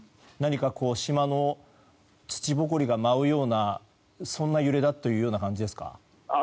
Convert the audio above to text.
島の土ぼこりが舞うようなそんな揺れだという感じですか。